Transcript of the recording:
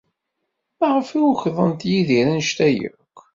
Maɣef ay ukḍent Yidir anect-a akk?